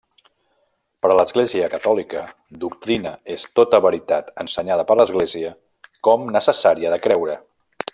Per a l'Església Catòlica, doctrina és tota veritat ensenyada per l'Església com necessària de creure.